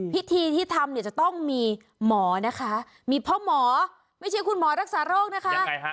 พิธีที่ทำเนี่ยจะต้องมีหมอนะคะมีพ่อหมอไม่ใช่คุณหมอรักษาโรคนะคะ